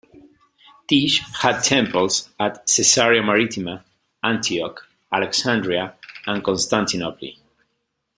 Tyche had temples at Caesarea Maritima, Antioch, Alexandria and Constantinople.